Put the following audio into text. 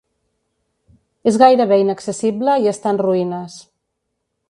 És gairebé inaccessible i està en ruïnes.